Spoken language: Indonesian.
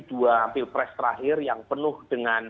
dua pilpres terakhir yang penuh dengan